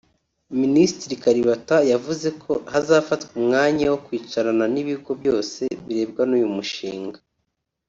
Minisitiri Kalibata yavuze ko hazafatwa umwanya wo kwicarana n’ibigo byose birebwa n’uyu mushinga